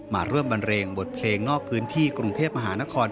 มาร่วมบันเลงบทเพลงนอกพื้นที่กรุงเทพมหานคร